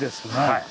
はい。